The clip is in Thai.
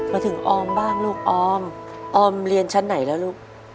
มาถึงออมบ้างลูกออมออมเรียนชั้นไหนแล้วลูก